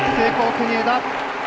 国枝。